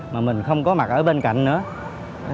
mà mình không có mặt ở bên cạnh nữa